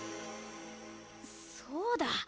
そうだ！